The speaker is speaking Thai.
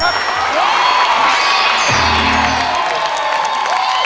ร้องได้